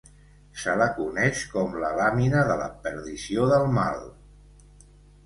Se la coneix com la Làmina de la perdició del Mal.